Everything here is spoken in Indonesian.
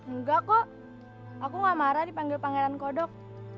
enggak kok aku gak marah dipanggil pangeran kodok